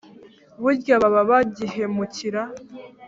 burya baba bagihemukira